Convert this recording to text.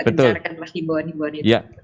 menjelaskan mas di bawah di bawah itu